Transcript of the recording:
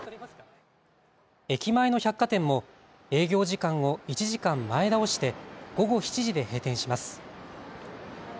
駅前の百貨店も営業時間を１時間前倒して午後７時で閉店します。